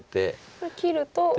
これ切ると。